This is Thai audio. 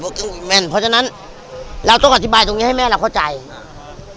แม่นเพราะฉะนั้นเราต้องอธิบายตรงนี้ให้แม่เราเข้าใจอ่า